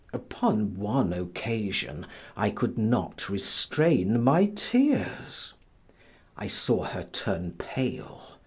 Upon one occasion, I could not restrain my tears; I saw her turn pale.